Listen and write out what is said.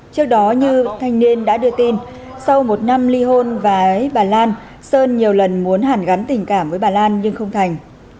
trước đó như thanh niên đã đưa tin sau một năm ly hôn và ấy bà lan sơn nhiều lần muốn hàn gắn tình cảm với bà lan nhưng không thành